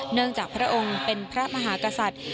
เนื่องจากพระองค์เป็นพระมหากษัตริย์